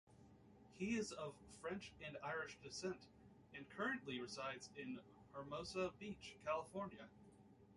He is of French and Irish descent, and currently resides in Hermosa Beach, California.